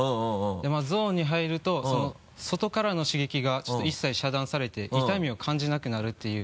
まぁゾーンに入ると外からの刺激がちょっと一切遮断されて痛みを感じなくなるっていう。